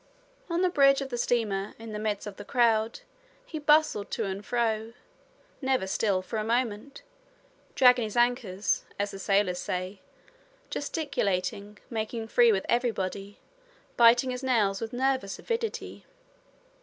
On the bridge of the steamer, in the midst of the crowd, he bustled to and fro, never still for a moment, "dragging his anchors," as the sailors say, gesticulating, making free with everybody, biting his nails with nervous avidity.